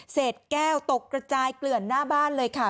เศษแก้วตกกระจายเกลื่อนหน้าบ้านเลยค่ะ